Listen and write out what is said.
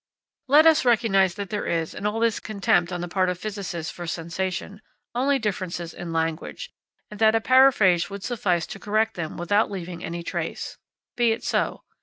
Let us recognise that there is, in all this contempt on the part of physicists for sensation, only differences in language, and that a paraphrase would suffice to correct them without leaving any trace. Be it so.